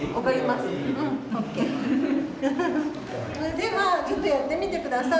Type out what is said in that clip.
ではちょっとやってみてください。